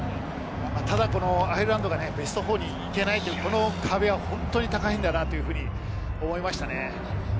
ただアイルランドがベスト４に行けないこの壁を本当に高いんだなと思いましたね。